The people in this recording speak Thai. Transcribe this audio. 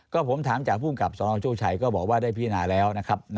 ก็ผมถามจากภูมิกับสนโชคชัยก็บอกว่าได้พินาแล้วนะครับ